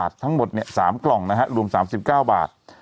ชอบคุณครับ